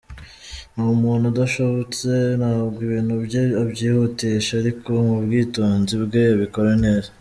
Ni umuntu udashabutse; ntabwo ibintu bye abyihutisha ariko mu bwitonzi bwe abikora neza.